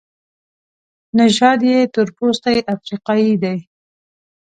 نژاد یې تورپوستی افریقایی دی.